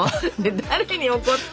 誰に怒った？